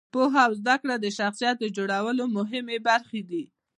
پوهه او زده کړه د شخصیت جوړونې مهمې برخې دي.